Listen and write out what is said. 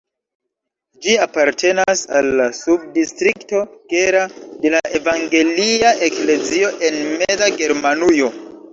Ĝi apartenas al la subdistrikto Gera de la Evangelia Eklezio en Meza Germanujo.